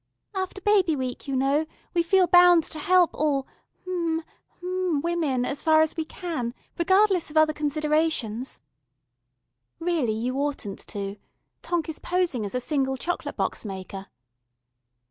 "After Baby Week, you know, we feel bound to help all hm hm women as far as we can, regardless of other considerations " "Really you oughtn't to. Tonk is posing as a single chocolate box maker."